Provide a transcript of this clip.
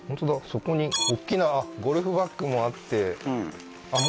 そこにおっきなゴルフバッグもあってあっ